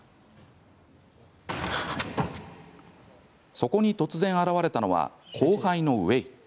そこに突然、現れたのは後輩のウェイ。